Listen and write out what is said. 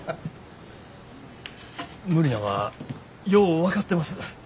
無理なんはよう分かってます。